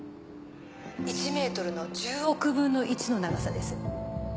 １ｍの１０億分の１の長さです。